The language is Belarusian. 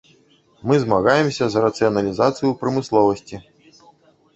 Мы змагаемся за рацыяналізацыю ў прамысловасці.